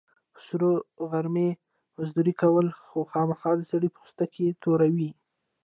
په سرو غرمو مزدوري کول، خوامخا د سړي پوستکی توروي.